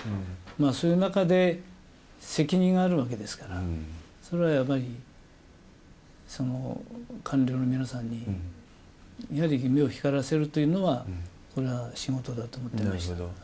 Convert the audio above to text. そういう中で責任があるわけですから、それはやはり官僚の皆さんにやはり目を光らせるというのは、これなるほど。